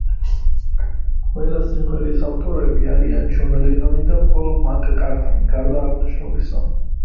ყველა სიმღერის ავტორები არიან ჯონ ლენონი და პოლ მაკ-კარტნი, გარდა აღნიშნულისა.